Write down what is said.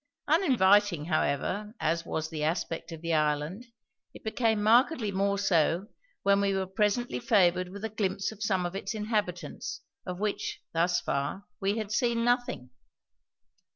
Uninviting, however, as was the aspect of the island, it became markedly more so when we were presently favoured with a glimpse of some of its inhabitants, of which, thus far, we had seen nothing.